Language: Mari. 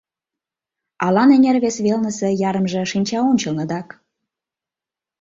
Алан эҥер вес велнысе ярымже шинча ончылныдак.